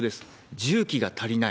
重機が足りない。